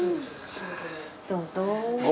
どうぞ。